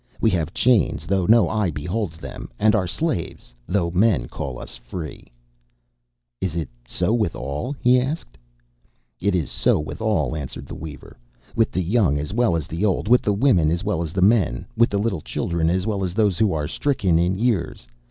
We have chains, though no eye beholds them; and are slaves, though men call us free.' 'Is it so with all?' he asked, 'It is so with all,' answered the weaver, 'with the young as well as with the old, with the women as well as with the men, with the little children as well as with those who are stricken in years.